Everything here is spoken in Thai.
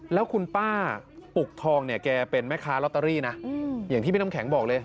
แล้วคุณป้าปุกทองเนี่ยแกเป็นแม่ค้าลอตเตอรี่นะอย่างที่พี่น้ำแข็งบอกเลย